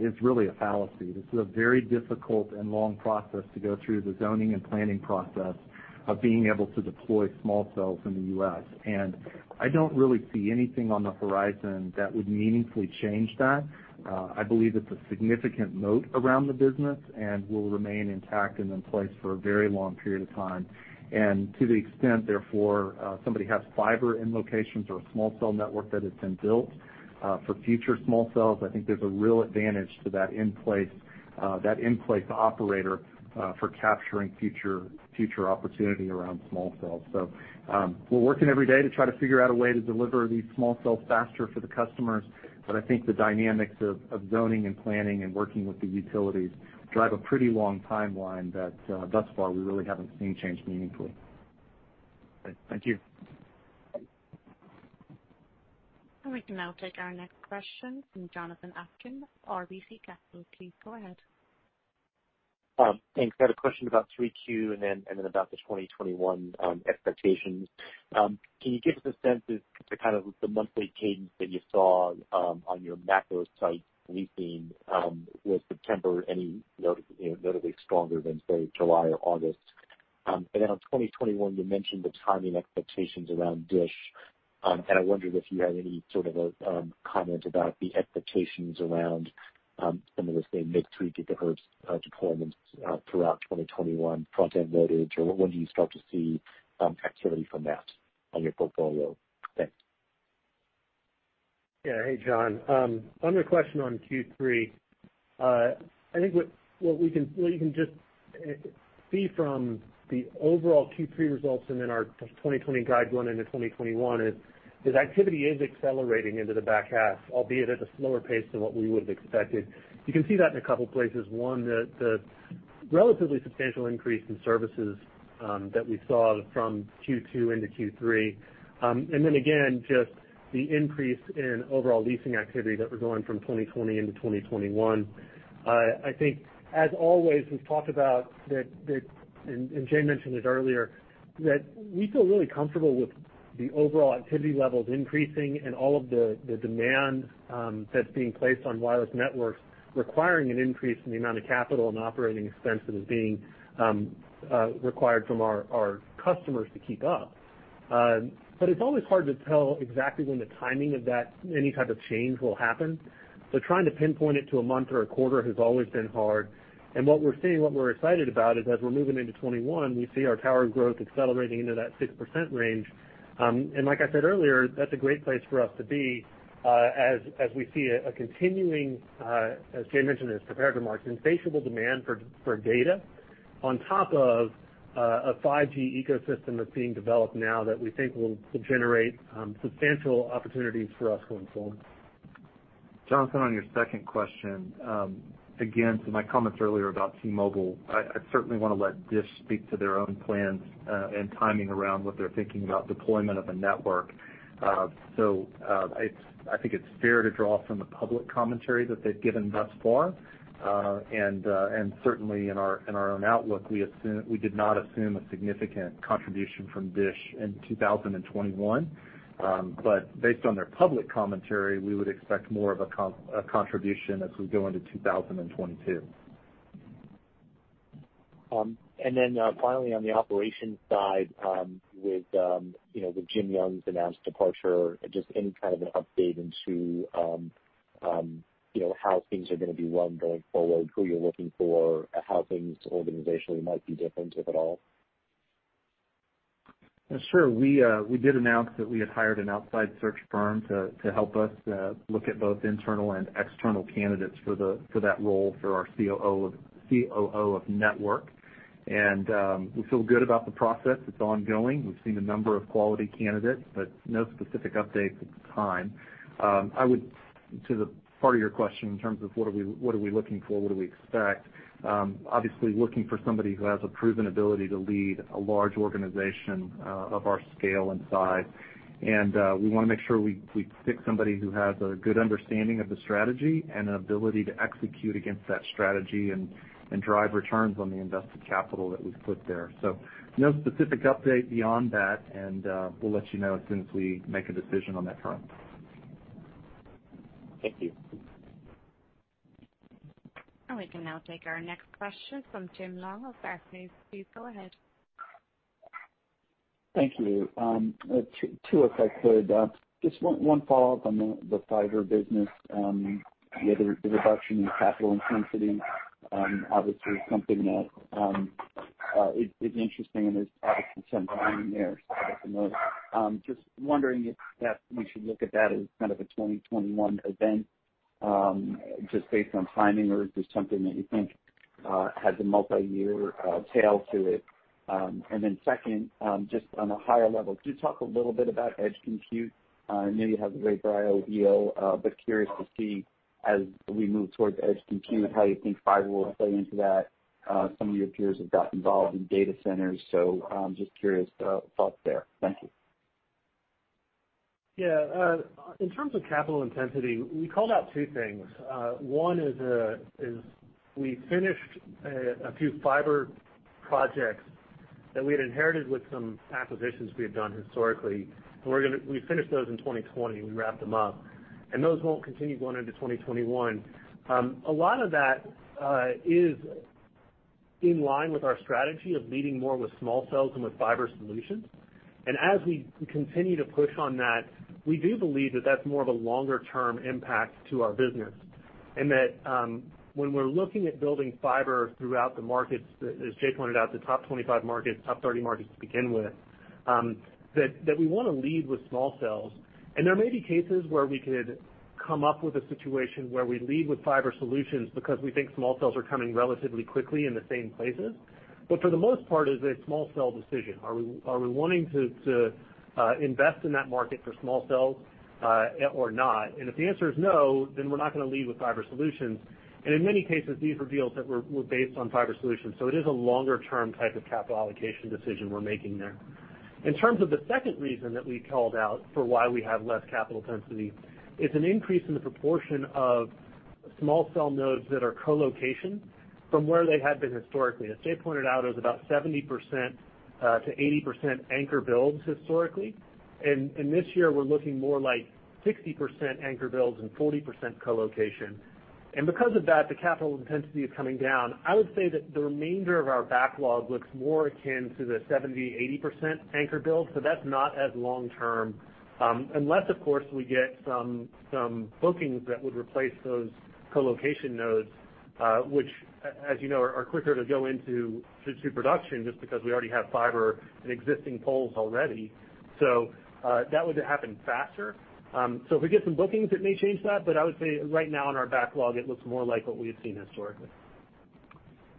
is really a fallacy. This is a very difficult and long process to go through the zoning and planning process of being able to deploy small cells in the U.S. I don't really see anything on the horizon that would meaningfully change that. I believe it's a significant moat around the business and will remain intact and in place for a very long period of time. To the extent therefore somebody has fiber in locations or a small cell network that has been built for future small cells, I think there's a real advantage to that in-place operator for capturing future opportunity around small cells. We're working every day to try to figure out a way to deliver these small cells faster for the customers. I think the dynamics of zoning and planning and working with the utilities drive a pretty long timeline that thus far we really haven't seen change meaningfully. Great. Thank you. We can now take our next question from Jonathan Atkin, RBC Capital. Please go ahead. Thanks. I had a question about 3Q and then about the 2021 expectations. Can you give us a sense as to kind of the monthly cadence that you saw on your macro site leasing? Was September any notably stronger than, say, July or August? On 2021, you mentioned the timing expectations around DISH. I wondered if you had any sort of a comment about the expectations around some of those same mid-3 GHz deployments throughout 2021, front-end loaded, or when do you start to see activity from that on your portfolio? Thanks. Hey, Jon. On your question on Q3, I think what you can just see from the overall Q3 results and then our 2020 guide going into 2021 is activity is accelerating into the back half, albeit at a slower pace than what we would have expected. You can see that in a couple places. One, the relatively substantial increase in services that we saw from Q2 into Q3. Again, just the increase in overall leasing activity that we're going from 2020 into 2021. I think as always, we've talked about that, and Jay mentioned it earlier, that we feel really comfortable with the overall activity levels increasing and all of the demand that's being placed on wireless networks requiring an increase in the amount of capital and operating expense that is being required from our customers to keep up. It's always hard to tell exactly when the timing of that, any type of change will happen. Trying to pinpoint it to a month or a quarter has always been hard. What we're seeing, what we're excited about is as we're moving into 2021, we see our tower growth accelerating into that 6% range. Like I said earlier, that's a great place for us to be as we see a continuing, as Jay mentioned in his prepared remarks, insatiable demand for data on top of a 5G ecosystem that's being developed now that we think will generate substantial opportunities for us going forward. Jonathan, on your second question, again, to my comments earlier about T-Mobile, I certainly want to let DISH speak to their own plans and timing around what they're thinking about deployment of a network. I think it's fair to draw from the public commentary that they've given thus far. Certainly in our own outlook, we did not assume a significant contribution from DISH in 2021. Based on their public commentary, we would expect more of a contribution as we go into 2022. Finally, on the operations side, with Jim Young's announced departure, just any kind of an update into how things are going to be run going forward, who you're looking for, how things organizationally might be different, if at all? Sure. We did announce that we had hired an outside search firm to help us look at both internal and external candidates for that role for our COO of network. We feel good about the process. It's ongoing. We've seen a number of quality candidates, but no specific updates at the time. I would, to the part of your question in terms of what are we looking for? What do we expect? Obviously looking for somebody who has a proven ability to lead a large organization of our scale and size. We want to make sure we pick somebody who has a good understanding of the strategy and an ability to execute against that strategy and drive returns on the invested capital that we've put there. No specific update beyond that, and we'll let you know as soon as we make a decision on that front. Thank you. We can now take our next question from Tim Long of Barclays. Please go ahead. Thank you. Two, if I could. Just one follow-up on the fiber business, the reduction in capital intensity, obviously something that is interesting and there's obviously some volume there. Just wondering if we should look at that as kind of a 2021 event, just based on timing, or is this something that you think has a multi-year tail to it? Second, just on a higher level, could you talk a little bit about edge compute? I know you have the Vapor IO, curious to see as we move towards edge compute, how you think fiber will play into that. Some of your peers have got involved in data centers, just curious your thoughts there. Thank you. Yeah. In terms of capital intensity, we called out two things. One is we finished a few fiber projects that we had inherited with some acquisitions we had done historically, and we finished those in 2020. We wrapped them up. Those won't continue going into 2021. A lot of that is in line with our strategy of leading more with small cells and with fiber solutions. As we continue to push on that, we do believe that that's more of a longer-term impact to our business, and that when we're looking at building fiber throughout the markets, as Jay pointed out, the top 25 markets, top 30 markets to begin with, that we want to lead with small cells. There may be cases where we could come up with a situation where we lead with fiber solutions because we think small cells are coming relatively quickly in the same places. For the most part, it's a small cell decision. Are we wanting to invest in that market for small cells or not? If the answer is no, then we're not going to lead with fiber solutions. In many cases, these were deals that were based on fiber solutions. It is a longer-term type of capital allocation decision we're making there. In terms of the second reason that we called out for why we have less capital intensity, it's an increase in the proportion of small cell nodes that are co-location from where they had been historically. As Jay pointed out, it was about 70%-80% anchor builds historically. This year, we're looking more like 60% anchor builds and 40% co-location. Because of that, the capital intensity is coming down. I would say that the remainder of our backlog looks more akin to the 70%, 80% anchor build, so that's not as long-term. Unless, of course, we get some bookings that would replace those co-location nodes, which, as you know, are quicker to go into production just because we already have fiber in existing poles already. That would happen faster. If we get some bookings, it may change that, but I would say right now in our backlog, it looks more like what we had seen historically.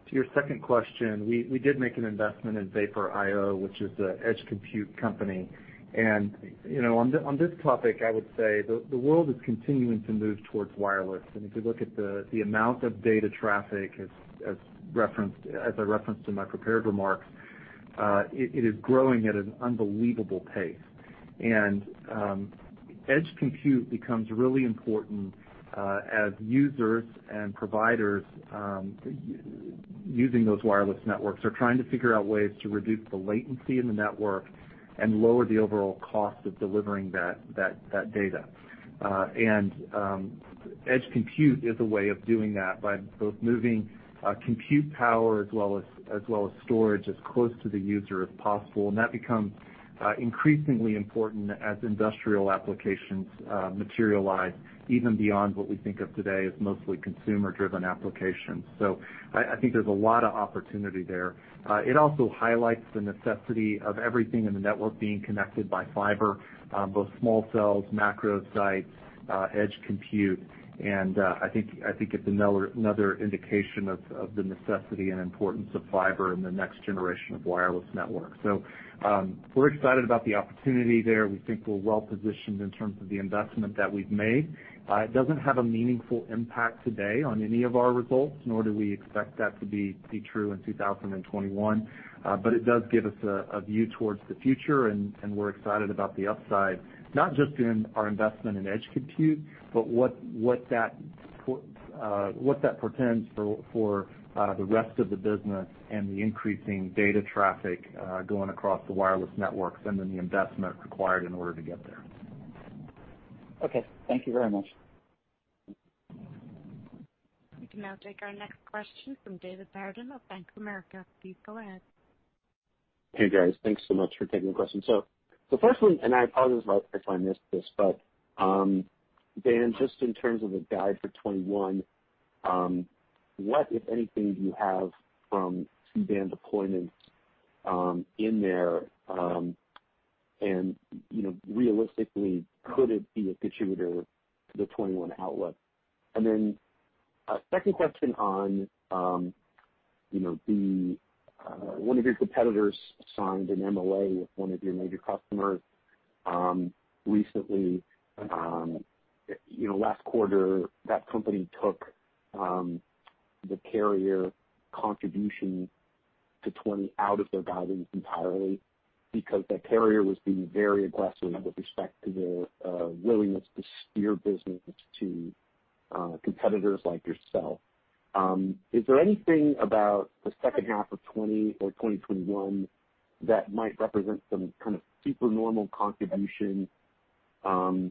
To your second question, we did make an investment in Vapor IO, which is an edge compute company. On this topic, I would say the world is continuing to move towards wireless. If you look at the amount of data traffic as I referenced in my prepared remarks, it is growing at an unbelievable pace. Edge compute becomes really important as users and providers using those wireless networks are trying to figure out ways to reduce the latency in the network and lower the overall cost of delivering that data. Edge compute is a way of doing that by both moving compute power as well as storage as close to the user as possible. That becomes increasingly important as industrial applications materialize, even beyond what we think of today as mostly consumer-driven applications. I think there's a lot of opportunity there. It also highlights the necessity of everything in the network being connected by fiber, both small cells, macro sites, edge compute, I think it's another indication of the necessity and importance of fiber in the next generation of wireless networks. We're excited about the opportunity there. We think we're well-positioned in terms of the investment that we've made. It doesn't have a meaningful impact today on any of our results, nor do we expect that to be true in 2021. It does give us a view towards the future, and we're excited about the upside, not just in our investment in edge compute, but what that portends for the rest of the business and the increasing data traffic going across the wireless networks and then the investment required in order to get there. Okay. Thank you very much. We can now take our next question from David Barden of Bank of America. Please go ahead. Hey, guys. Thanks so much for taking the question. Firstly, I apologize if I missed this, Dan, just in terms of the guide for 2021, what, if anything, do you have from C-band deployments in there, realistically, could it be a contributor to the 2021 outlook? A second question on one of your competitors signed an MLA with one of your major customers recently. Last quarter, that company took the carrier contribution to 2020 out of their guidance entirely because that carrier was being very aggressive with respect to their willingness to steer business to competitors like yourself. Is there anything about the second half of 2020 or 2021 that might represent some kind of super normal contribution from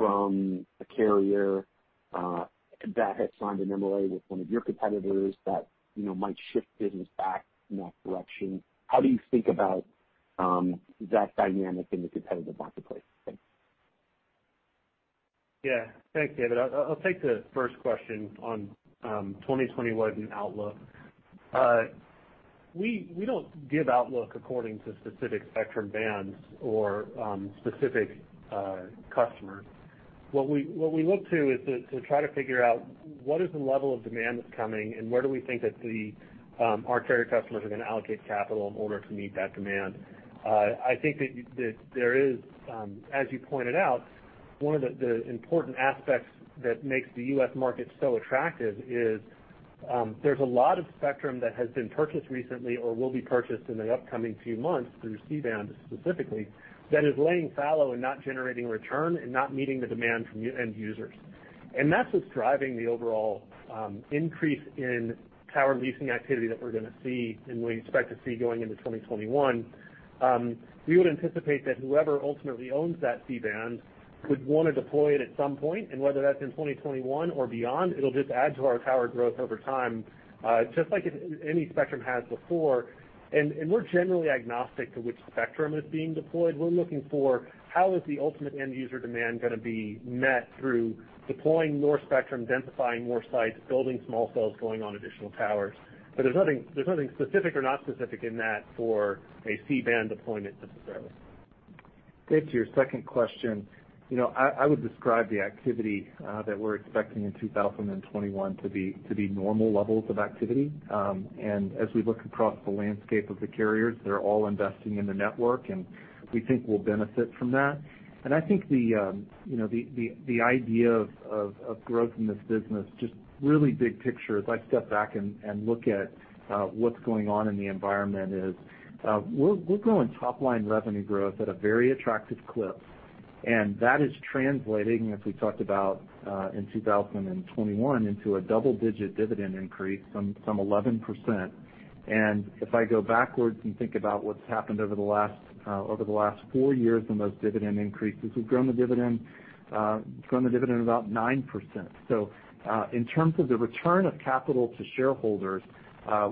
a carrier that had signed an MLA with one of your competitors that might shift business back in that direction? How do you think about that dynamic in the competitive marketplace? Thanks. Yeah. Thanks, David. I'll take the first question on 2021 outlook. We don't give outlook according to specific spectrum bands or specific customers. What we look to is to try to figure out what is the level of demand that's coming, and where do we think that our carrier customers are going to allocate capital in order to meet that demand. I think that there is, as you pointed out, one of the important aspects that makes the U.S. market so attractive is there's a lot of spectrum that has been purchased recently or will be purchased in the upcoming few months through C-band specifically, that is laying fallow and not generating return and not meeting the demand from end users. That's what's driving the overall increase in tower leasing activity that we're going to see and we expect to see going into 2021. We would anticipate that whoever ultimately owns that C-band would want to deploy it at some point, whether that's in 2021 or beyond, it'll just add to our tower growth over time, just like any spectrum has before. We're generally agnostic to which spectrum is being deployed. We're looking for how is the ultimate end user demand going to be met through deploying more spectrum, densifying more sites, building small cells, going on additional towers. There's nothing specific or not specific in that for a C-band deployment necessarily. Dave, to your second question, I would describe the activity that we're expecting in 2021 to be normal levels of activity. As we look across the landscape of the carriers, they're all investing in the network, and we think we'll benefit from that. I think the idea of growth in this business, just really big picture, as I step back and look at what's going on in the environment is, we're growing top line revenue growth at a very attractive clip, and that is translating, as we talked about in 2021, into a double-digit dividend increase from 11%. If I go backwards and think about what's happened over the last four years in those dividend increases, we've grown the dividend about 9%. In terms of the return of capital to shareholders,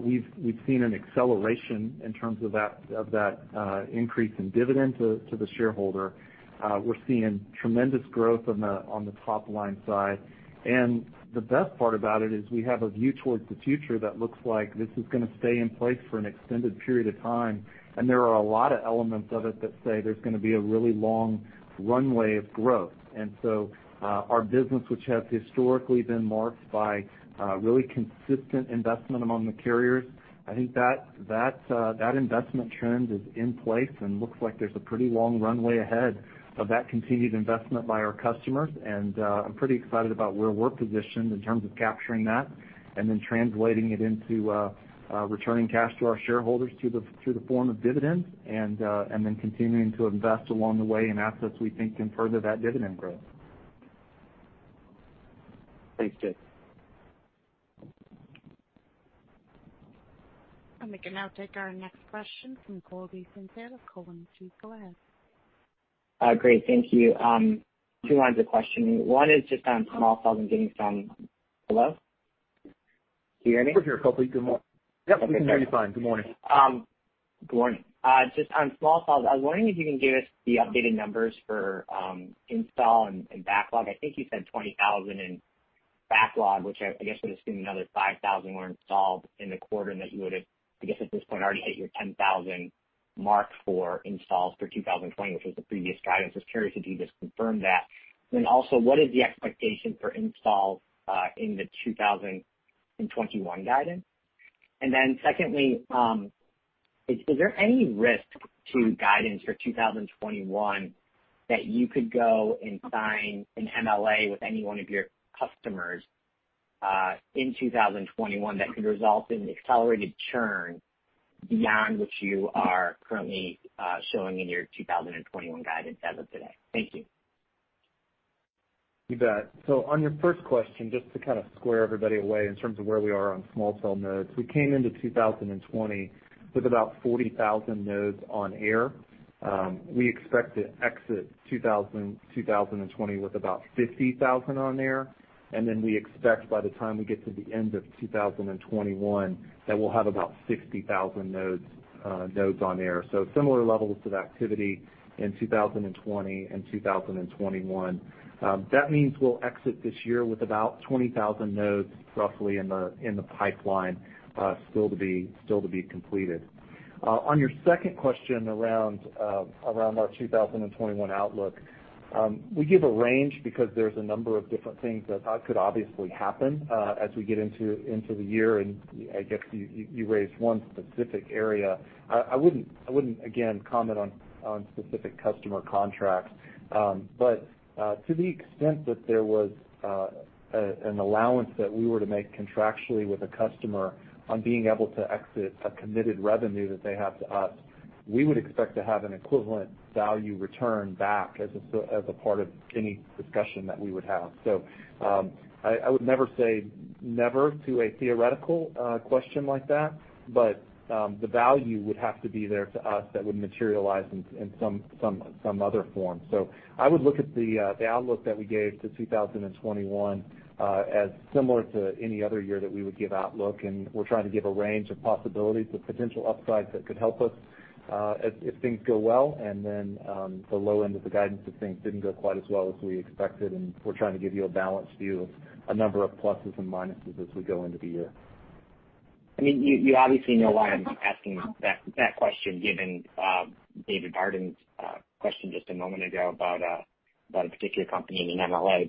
we've seen an acceleration in terms of that increase in dividend to the shareholder. We're seeing tremendous growth on the top-line side. The best part about it is we have a view towards the future that looks like this is going to stay in place for an extended period of time, and there are a lot of elements of it that say there's going to be a really long runway of growth. Our business, which has historically been marked by really consistent investment among the carriers, I think that investment trend is in place and looks like there's a pretty long runway ahead of that continued investment by our customers. I'm pretty excited about where we're positioned in terms of capturing that and then translating it into returning cash to our shareholders through the form of dividends and then continuing to invest along the way in assets we think can further that dividend growth. Thanks, Dave. We can now take our next question from Colby Synesael, Cowen. Please go ahead. Great. Thank you. Two lines of questioning. One is just on small cells. Hello? Can you hear me? We're here, Colby. Yep, we can hear you fine. Good morning. Good morning. Just on small cells, I was wondering if you can give us the updated numbers for install and backlog. I think you said 20,000 in backlog, which I guess would assume another 5,000 were installed in the quarter and that you would've, I guess, at this point already hit your 10,000 mark for installs for 2020, which was the previous guidance. Just curious if you could just confirm that. Also, what is the expectation for installs in the 2021 guidance? Secondly, is there any risk to guidance for 2021 that you could go and sign an MLA with any one of your customers in 2021 that could result in accelerated churn beyond what you are currently showing in your 2021 guidance as of today? Thank you. You bet. On your first question, just to kind of square everybody away in terms of where we are on small cell nodes. We came into 2020 with about 40,000 nodes on air. We expect to exit 2020 with about 50,000 on air, we expect by the time we get to the end of 2021, that we'll have about 60,000 nodes on air. Similar levels of activity in 2020 and 2021. That means we'll exit this year with about 20,000 nodes roughly in the pipeline, still to be completed. On your second question around our 2021 outlook, we give a range because there's a number of different things that could obviously happen as we get into the year, and I guess you raised one specific area. I wouldn't, again, comment on specific customer contracts. To the extent that there was an allowance that we were to make contractually with a customer on being able to exit a committed revenue that they have to us, we would expect to have an equivalent value return back as a part of any discussion that we would have. I would never say never to a theoretical question like that, but the value would have to be there to us that would materialize in some other form. I would look at the outlook that we gave to 2021 as similar to any other year that we would give outlook, and we're trying to give a range of possibilities of potential upsides that could help us, if things go well. The low end of the guidance if things didn't go quite as well as we expected, and we're trying to give you a balanced view of a number of pluses and minuses as we go into the year. You obviously know why I'm asking that question, given David Barden's question just a moment ago about a particular company in the MLA.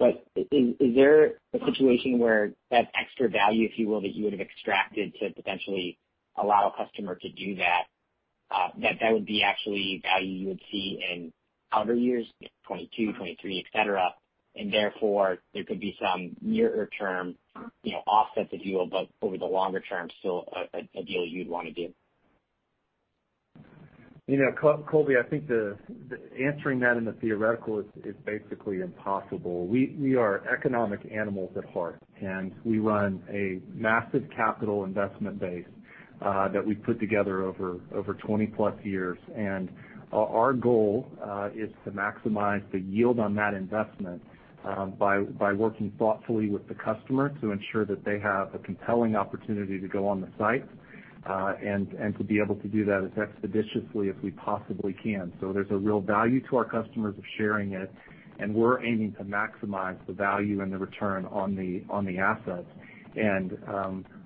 Is there a situation where that extra value, if you will, that you would've extracted to potentially allow a customer to do that that would be actually value you would see in other years, 2022, 2023, et cetera, and therefore, there could be some nearer term offsets, if you will, but over the longer term, still a deal you'd want to do? Colby, I think answering that in the theoretical is basically impossible. We are economic animals at heart, and we run a massive capital investment base that we've put together over 20-plus years. Our goal is to maximize the yield on that investment by working thoughtfully with the customer to ensure that they have a compelling opportunity to go on the site, and to be able to do that as expeditiously as we possibly can. There's a real value to our customers of sharing it, and we're aiming to maximize the value and the return on the assets.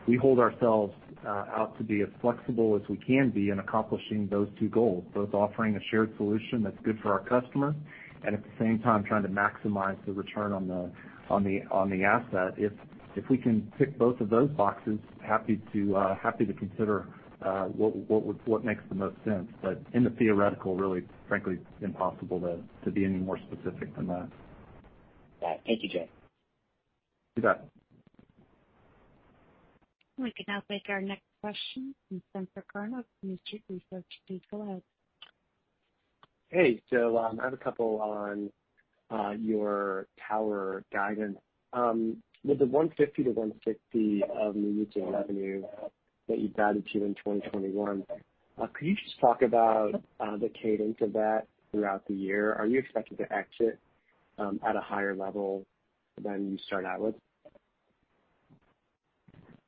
We hold ourselves out to be as flexible as we can be in accomplishing those two goals, both offering a shared solution that's good for our customer, and at the same time, trying to maximize the return on the asset. If we can tick both of those boxes, happy to consider what makes the most sense. In the theoretical, really, frankly, it's impossible to be any more specific than that. Got it. Thank you, Jay. You bet. We can now take our next question from Spencer Kurn, New Street Research. Please go ahead. Hey, I have a couple on your tower guidance. With the $150-$160 of new retail revenue that you guided to in 2021, could you just talk about the cadence of that throughout the year? Are you expecting to exit at a higher level than you start out with?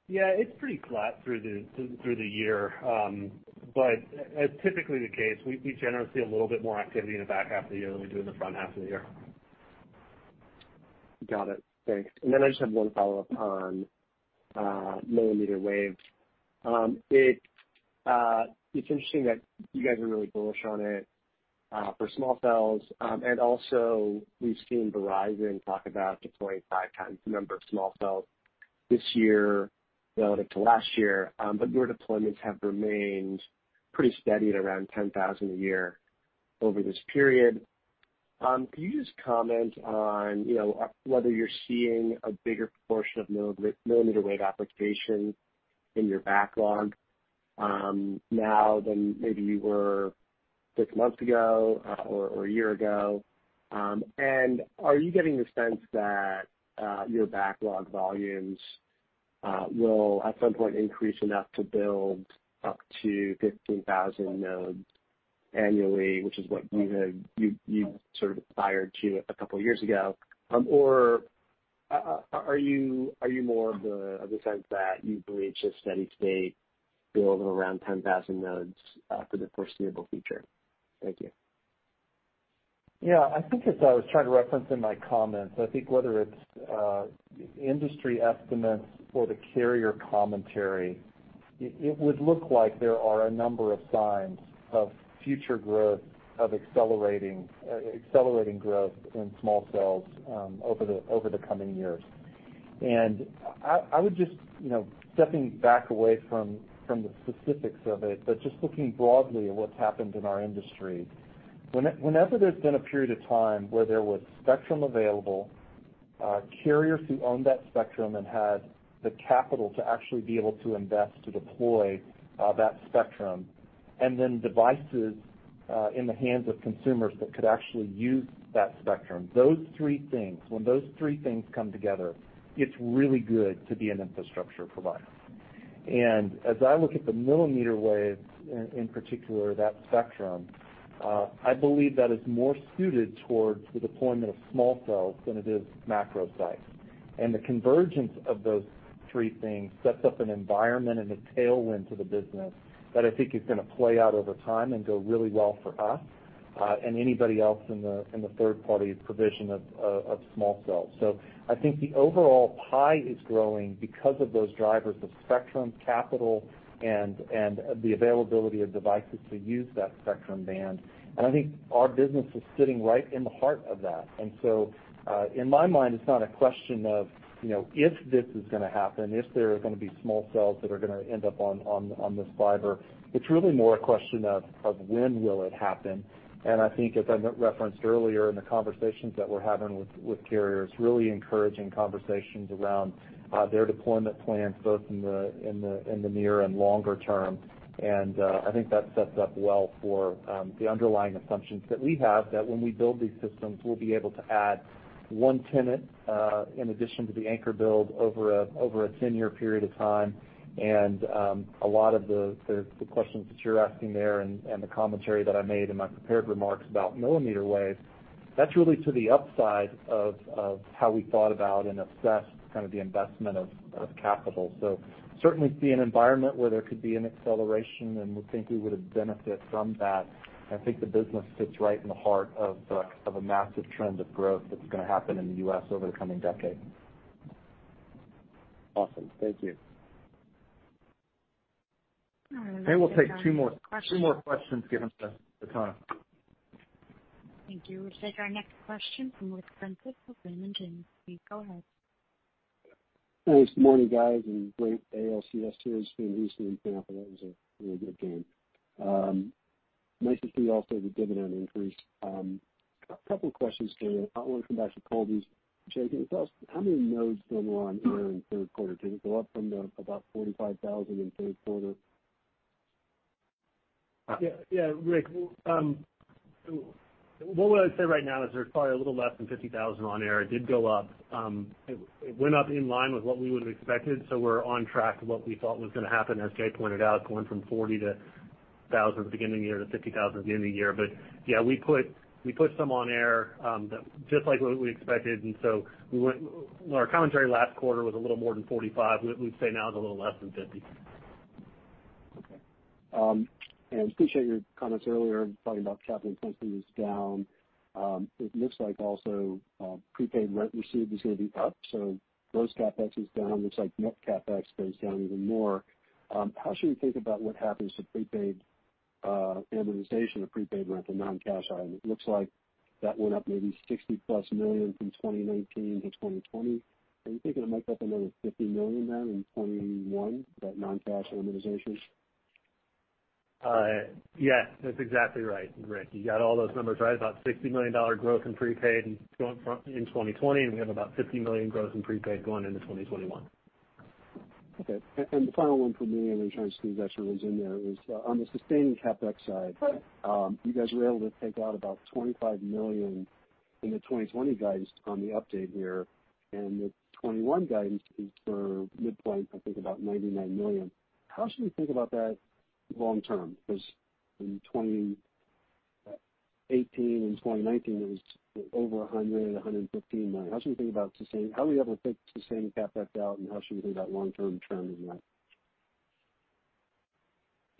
Yeah, it's pretty flat through the year. As typically the case, we generally see a little bit more activity in the back half of the year than we do in the front half of the year. Got it. Thanks. I just have one follow-up on millimeter wave. It's interesting that you guys are really bullish on it for small cells. Also, we've seen Verizon talk about deploying 5x the number of small cells this year relative to last year. Your deployments have remained pretty steady at around 10,000 a year over this period. Can you just comment on whether you're seeing a bigger proportion of millimeter wave applications in your backlog now than maybe you were six months ago or one year ago? Are you getting the sense that your backlog volumes will at some point increase enough to build up to 15,000 nodes annually, which is what you sort of aspired to two years ago? Are you more of the sense that you believe it's a steady state build of around 10,000 nodes for the foreseeable future? Thank you. Yeah, I think as I was trying to reference in my comments, I think whether it's industry estimates or the carrier commentary, it would look like there are a number of signs of future growth, of accelerating growth in small cells over the coming years. I would just, stepping back away from the specifics of it, but just looking broadly at what's happened in our industry, whenever there's been a period of time where there was spectrum available. Carriers who own that spectrum and had the capital to actually be able to invest to deploy that spectrum, and then devices in the hands of consumers that could actually use that spectrum. Those three things, when those three things come together, it's really good to be an infrastructure provider. As I look at the millimeter wave, in particular, that spectrum, I believe that is more suited towards the deployment of small cells than it is macro sites. The convergence of those three things sets up an environment and a tailwind to the business that I think is going to play out over time and go really well for us, and anybody else in the third party's provision of small cells. I think the overall pie is growing because of those drivers of spectrum, capital, and the availability of devices to use that spectrum band. I think our business is sitting right in the heart of that. In my mind, it's not a question of if this is going to happen, if there are going to be small cells that are going to end up on this fiber. It's really more a question of when will it happen. I think as I referenced earlier in the conversations that we're having with carriers, really encouraging conversations around their deployment plans, both in the near and longer term. I think that's set up well for the underlying assumptions that we have, that when we build these systems, we'll be able to add one tenant, in addition to the anchor build over a 10-year period of time. A lot of the questions that you're asking there and the commentary that I made in my prepared remarks about millimeter wave, that's really to the upside of how we thought about and assessed the investment of capital. Certainly see an environment where there could be an acceleration, and we think we would benefit from that. I think the business sits right in the heart of a massive trend of growth that's going to happen in the U.S. over the coming decade. Awesome. Thank you. All right. I think we'll take two more questions, given the time. Thank you. We'll take our next question from Ric Prentiss with Raymond James. Please go ahead. Thanks. Good morning, guys, great ALCS series between Houston and Tampa. That was a really good game. Nice to see also the dividend increase. A couple questions, Jay. I want to come back to Colby's. Jay, can you tell us how many nodes went live there in the third quarter? Did it go up from the about 45,000 in the third quarter? Yeah, Ric. What I would say right now is there's probably a little less than 50,000 on air. It did go up. It went up in line with what we would've expected. We're on track to what we thought was gonna happen, as Jay pointed out, going from 40,000 at the beginning of the year to 50,000 at the end of the year. We put some on air, just like what we expected. Our commentary last quarter was a little more than 45. We'd say now it's a little less than 50. Okay. Appreciate your comments earlier talking about capital intensity is down. It looks like also prepaid rent received is going to be up, so those CapEx is down. It looks like net CapEx goes down even more. How should we think about what happens to amortization of prepaid rent, the non-cash item? It looks like that went up maybe $60+ million from 2019 to 2020. Are you thinking it might go up another $50 million then in 2021, that non-cash amortization? Yes, that's exactly right, Rick. You got all those numbers right. About $60 million growth in prepaid in 2020, and we have about $50 million growth in prepaid going into 2021. Okay. The final one from me, and then trying to see what else in there is, on the sustaining CapEx side, you guys were able to take out about $25 million in the 2020 guidance on the update here, and the 2021 guidance is for midpoint, I think about $99 million. How should we think about that long term? In 2018 and 2019, it was over $100 million, $115 million. How are we able to take sustaining CapEx out, and how should we think about long-term trend in that?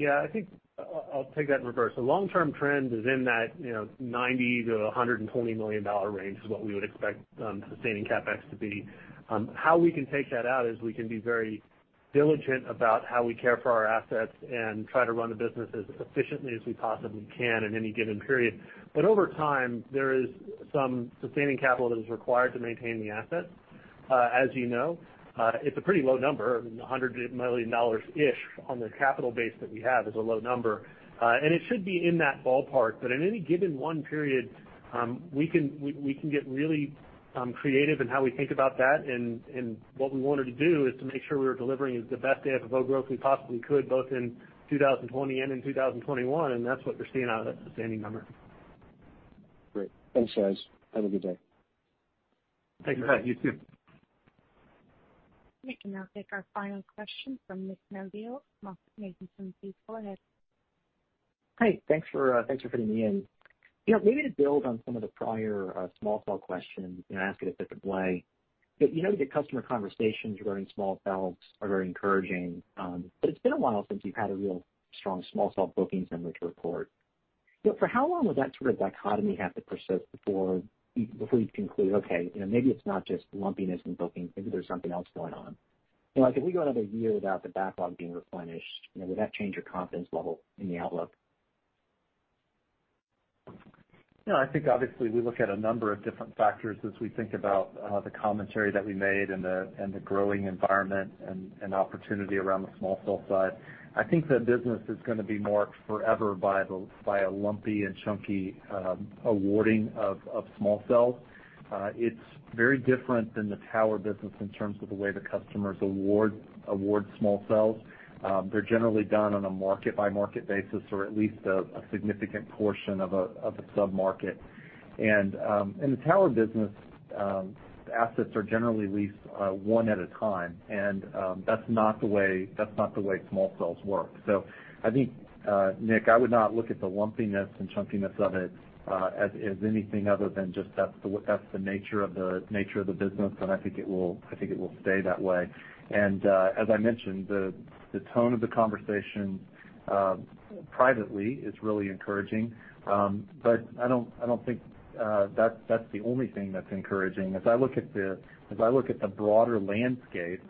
Yeah, I think I'll take that in reverse. The long-term trend is in that $90 million-$120 million range is what we would expect sustaining CapEx to be. How we can take that out is we can be very diligent about how we care for our assets and try to run the business as efficiently as we possibly can in any given period. Over time, there is some sustaining capital that is required to maintain the asset. As you know, it's a pretty low number, $100 million-ish on the capital base that we have is a low number. It should be in that ballpark. In any given one period, we can get really creative in how we think about that, and what we wanted to do is to make sure we were delivering the best FFO growth we possibly could, both in 2020 and in 2021, and that's what you're seeing out of that sustaining number. Great. Thanks, guys. Have a good day. Thank you. You too. Nick, we now take our final question from Nick Del Deo from MoffettNathanson. Please go ahead. Hi. Thanks for fitting me in. Maybe to build on some of the prior small cell questions and ask it a different way. You know the customer conversations around small cells are very encouraging, but it's been a while since you've had a real strong small cell bookings number to report. For how long would that sort of dichotomy have to persist before you conclude, okay, maybe it's not just lumpiness in bookings, maybe there's something else going on. If we go another year without the backlog being replenished, would that change your confidence level in the outlook? I think obviously we look at a number of different factors as we think about the commentary that we made and the growing environment and opportunity around the small cell side. I think the business is going to be marked forever by a lumpy and chunky awarding of small cells. It's very different than the tower business in terms of the way the customers award small cells. They're generally done on a market-by-market basis, or at least a significant portion of a sub-market. In the tower business, assets are generally leased one at a time, and that's not the way small cells work. I think, Nick, I would not look at the lumpiness and chunkiness of it as anything other than just that's the nature of the business, and I think it will stay that way. As I mentioned, the tone of the conversation privately is really encouraging, but I don't think that's the only thing that's encouraging. As I look at the broader landscape,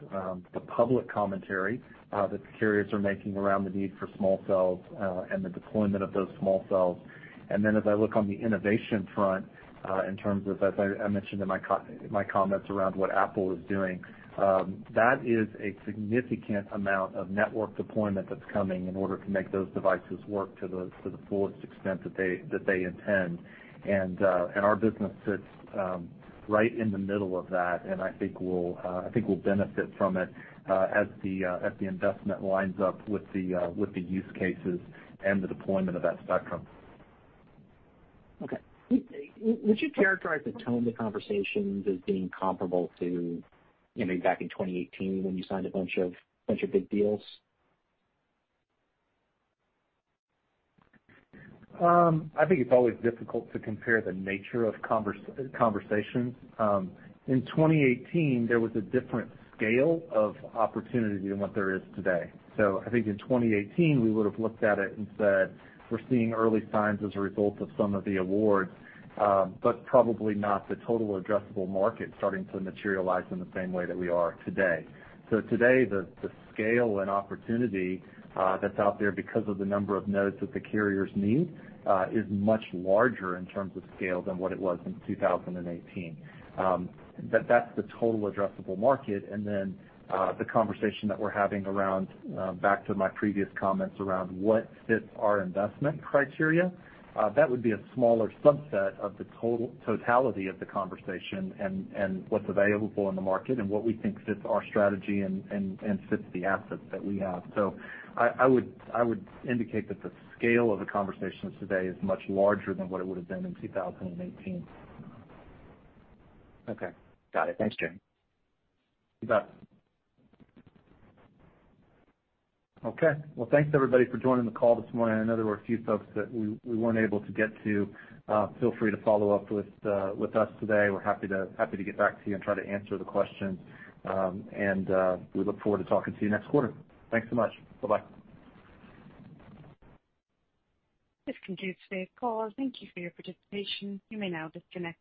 the public commentary that the carriers are making around the need for small cells and the deployment of those small cells. Then as I look on the innovation front, in terms of, as I mentioned in my comments around what Apple is doing, that is a significant amount of network deployment that's coming in order to make those devices work to the fullest extent that they intend. Our business sits right in the middle of that, and I think we'll benefit from it as the investment lines up with the use cases and the deployment of that spectrum. Okay. Would you characterize the tone of the conversations as being comparable to back in 2018 when you signed a bunch of big deals? I think it's always difficult to compare the nature of conversations. In 2018, there was a different scale of opportunity than what there is today. I think in 2018, we would've looked at it and said, we're seeing early signs as a result of some of the awards, but probably not the total addressable market starting to materialize in the same way that we are today. Today, the scale and opportunity that's out there because of the number of nodes that the carriers need, is much larger in terms of scale than what it was in 2018. That's the total addressable market, the conversation that we're having around, back to my previous comments around what fits our investment criteria, that would be a smaller subset of the totality of the conversation and what's available in the market and what we think fits our strategy and fits the assets that we have. I would indicate that the scale of the conversations today is much larger than what it would've been in 2018. Okay. Got it. Thanks, Jay. You bet. Okay. Well, thanks everybody for joining the call this morning. I know there were a few folks that we weren't able to get to. Feel free to follow up with us today. We're happy to get back to you and try to answer the questions. We look forward to talking to you next quarter. Thanks so much. Bye-bye. This concludes today's call. Thank you for your participation. You may now disconnect.